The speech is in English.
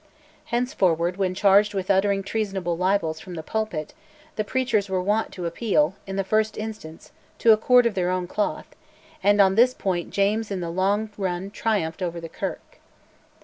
Henceforward, when charged with uttering treasonable libels from the pulpit, the preachers were wont to appeal, in the first instance, to a court of their own cloth, and on this point James in the long run triumphed over the Kirk.